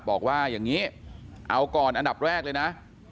บอกว่าอย่างนี้เอาก่อนอันดับแรกเลยนะ